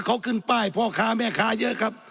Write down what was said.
เขาขึ้นป้ายพ่อค้าแม่ค้าเยอะครับ